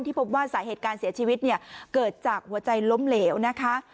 พบว่าสาเหตุการเสียชีวิตเนี่ยเกิดจากหัวใจล้มเหลวนะคะ